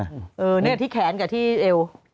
นั่นแหละที่แขนกับที่เอล